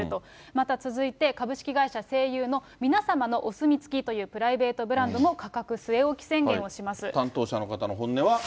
また続いて、株式会社西友の、みなさまのお墨付きというプライベートブランドも価格据え置き宣担当者の方の本音は。